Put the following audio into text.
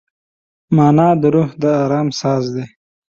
مانا د روح د ارام اساس دی.